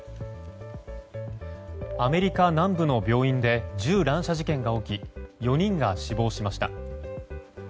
アメリカ南部の病院で銃乱射事件が起き４人が死亡しました。